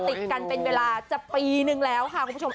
ติดกันเป็นเวลาจะปีนึงแล้วค่ะคุณผู้ชม